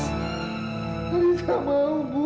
haris gak mau bu